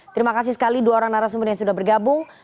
terima kasih sekali dua orang narasumber yang sudah bergabung